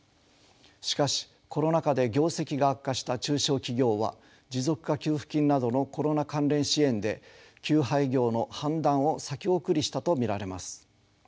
しかしコロナ禍で業績が悪化した中小企業は持続化給付金などのコロナ関連支援で休廃業の判断を先送りしたと見られます。